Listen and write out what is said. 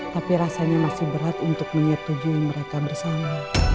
tapi rasanya masih berat untuk menyetujui mereka bersama